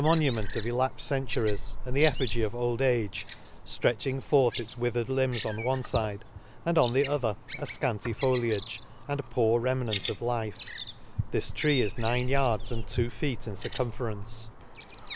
45 nument of elapfed centuries, and the ef figy of old age ; flretching forth its wi thered limbs on one fide, and on the o ther a fcanty foliage, and poor remnant of life. This tree is nine yards and two feet in circumference.